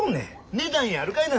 値段やあるかいな。